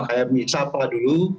kayak misal pak dulu